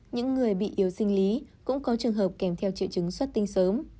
những người bị yếu sinh lý cũng có trường hợp kèm theo triệu chứng xuất tinh sớm